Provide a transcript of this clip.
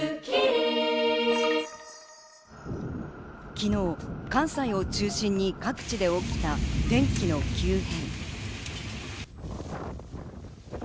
昨日、関西を中心に各地で起きた天気の急変。